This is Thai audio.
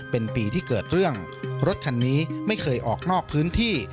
เป็นปีที่เกิดเรื่องรถคันนี้ไม่เคยออกนอกพื้นที่